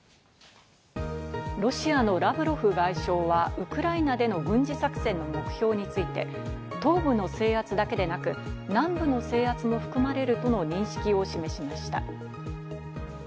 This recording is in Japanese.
ロシアのラブロフ外相はウクライナでの軍事作戦の目標について、東部の制圧だけでなく南部の制圧も含まれるとの認識を示しました。